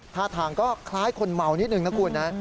ท่าทางก็คล้ายคนเมานิดนึงนะคุณนะ